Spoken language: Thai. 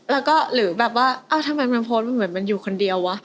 แล้วก็หรือแบบว่าเอ้าทำไมมันโพสต์มันเหมือนมันอยู่คนเดียววะ